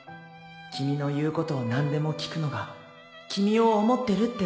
君の言うことを何でも聞くのが君を思ってるってことなの？